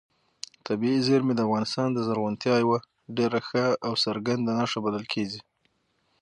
طبیعي زیرمې د افغانستان د زرغونتیا یوه ډېره ښه او څرګنده نښه بلل کېږي.